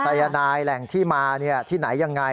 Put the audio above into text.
ไทยนายแหล่งที่มาเนี่ยที่ไหนยังไง